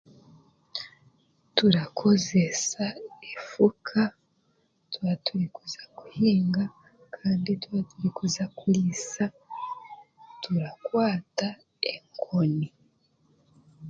Turakozeesa efuka turikuza kuhinga, kandi twaba turaza kuriisa, turakwata enkoni